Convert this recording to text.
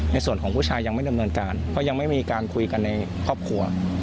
ในส่วนของผู้ชายยังไม่ดำเนินการเพราะยังไม่มีการคุยกันในครอบครัว